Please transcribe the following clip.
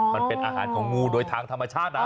มันเป็นอาหารของงูโดยทางธรรมชาตินะ